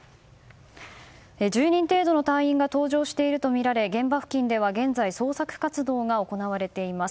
１０人程度の隊員が搭乗しているとみられ現場付近では現在、捜索活動が行われています。